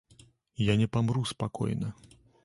Я не памру спакойна.